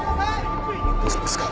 大丈夫ですか？